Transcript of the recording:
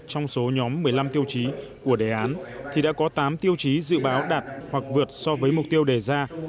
trong số nhóm một mươi năm tiêu chí của đề án thì đã có tám tiêu chí dự báo đạt hoặc vượt so với mục tiêu đề ra